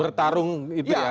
bertarung itu ya